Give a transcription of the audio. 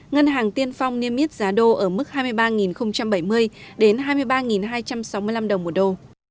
ngân hàng tiên phong niêm yết giá đô ở mức hai mươi ba bảy mươi đến hai mươi ba hai trăm sáu mươi năm đồng một đô